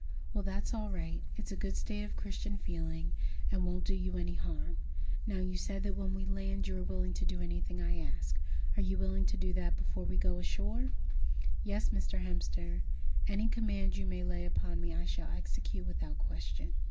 "Well, that's all right. It's a good state of Christian feeling and won't do you any harm. Now you said that when we land you are willing to do anything I ask. Are you willing to do that before we go ashore?" "Yes, Mr. Hemster, any command you may lay upon me I shall execute without question."